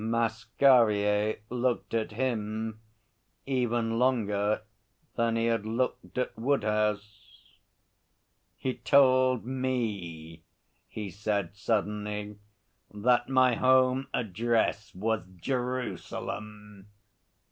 Masquerier looked at him even longer than he had looked at Woodhouse. 'He told me,' he said suddenly, 'that my home address was Jerusalem.